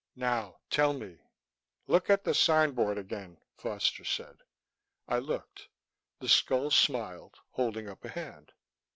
"Now tell me." "Look at the signboard again," Foster said. I looked. The skull smiled, holding up a hand.